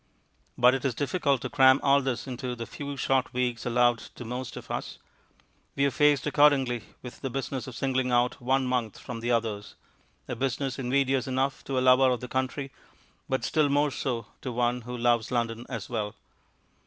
But it is difficult to cram all this into the few short weeks allowed to most of us. We are faced accordingly with the business of singling out one month from the others a business invidious enough to a lover of the country, but still more so to one who loves London as well.